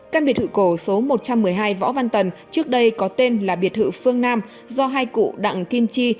căn biệt thự cổ số một trăm một mươi hai võ văn tần trước đây có tên là biệt thự phương nam do hai cụ đặng kim chi